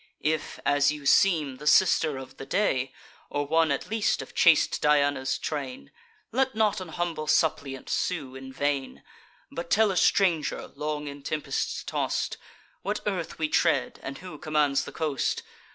If, as you seem, the sister of the day, Or one at least of chaste Diana's train, Let not an humble suppliant sue in vain; But tell a stranger, long in tempests toss'd, What earth we tread, and who commands the coast?